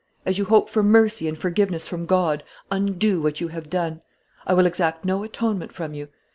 As you hope for mercy and forgiveness from God, undo what you have done. I will exact no atonement from you.